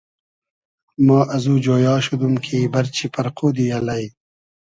ما ازو جۉیا شودوم کی بئرچی پئرقودی الݷ